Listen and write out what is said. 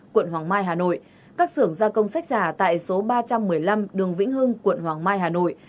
quận hoàng mai hà nội các xưởng gia công sách giả tại số ba trăm một mươi năm đường vĩnh hưng quận hoàng mai hà nội